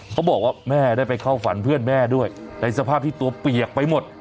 เขาบอกว่าแม่ได้ไปเข้าฝันเพื่อนแม่ด้วยในสภาพที่ตัวเปียกไปหมด